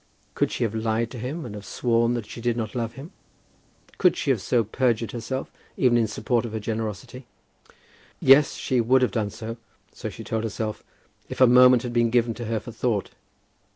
Could she have lied to him, and have sworn that she did not love him? Could she have so perjured herself, even in support of her generosity? Yes, she would have done so, so she told herself, if a moment had been given to her for thought.